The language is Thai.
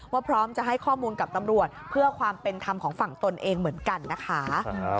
พร้อมจะให้ข้อมูลกับตำรวจเพื่อความเป็นธรรมของฝั่งตนเองเหมือนกันนะคะ